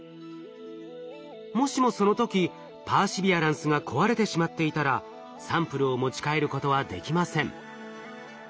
もしもその時パーシビアランスが壊れてしまっていたらサンプルを持ち帰ることはできません。